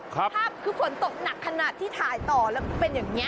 ภาพคือฝนตกหนักขนาดที่ถ่ายต่อแล้วเป็นอย่างนี้